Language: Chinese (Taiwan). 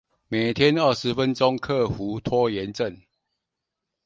每天二十分鐘克服拖延症